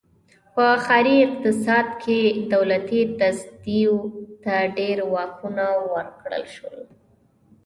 په ښاري اقتصاد کې دولتي تصدیو ته ډېر واکونه ورکړل شول.